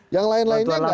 yang lain lainnya gak